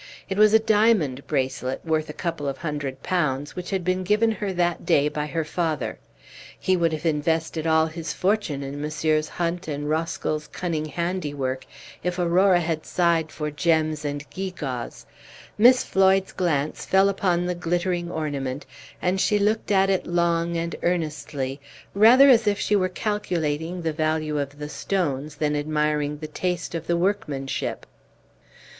It was a diamond bracelet, worth a couple of hundred pounds, which had been given her that day by her father. He would have invested all his fortune in Messrs. Hunt and Roskell's cunning handiwork if Aurora had sighed for gems and gewgaws. Miss Floyd's glance fell upon the glittering ornament, and she looked at it long and earnestly, rather as if she were calculating the value of the stones than admiring the taste of the workmanship.